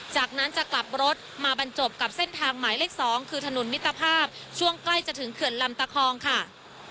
จากนั้นจะกลับรถมาบรรจบกับเส้นทางหมายเลข๒คือถนนมิตรภาพช่วงใกล้จะถึงเขื่อนลำตะคองค่ะ